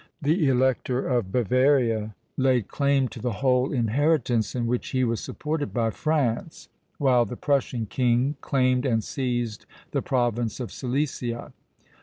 The Elector of Bavaria laid claim to the whole inheritance, in which he was supported by France; while the Prussian king claimed and seized the province of Silesia.